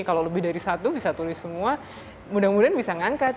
kalau lebih dari satu bisa tulis semua mudah mudahan bisa ngangkat